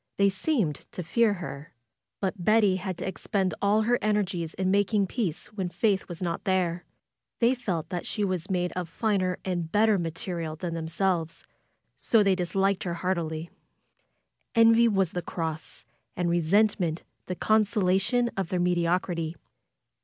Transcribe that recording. They seemed to fear her. But Betty had to ex pend all her energies in making peace when Faith was not there. They felt that she was made of finer and bet ter material than themselves, so they disliked her heartily. Envy was the cross, and resentment the con solation of their mediocrity.